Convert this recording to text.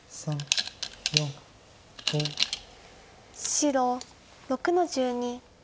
白６の十二。